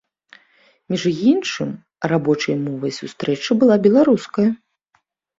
Між іншым, рабочай мовай сустрэчы была беларуская.